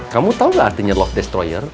kamu tau gak artinya love destroyer